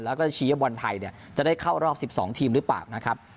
แล้วก็ชี้ว่าบอลไทยจะได้เข้ารอบ๑๒ทีมหรือเปล่านะครับ